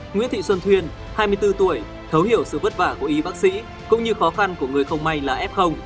nguyễn thị xuân thuyên hai mươi bốn tuổi thấu hiểu sự vất vả của y bác sĩ cũng như khó khăn của người không may là f